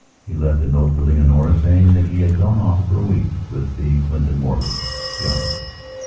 He left a note for Leonora saying that he had gone off for a week with the Clinton Morleys, yachting.